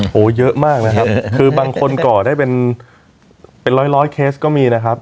โหเยอะมากนะครับคือบางคนก่อได้เป็นร้อยเคสก็มีนะครับ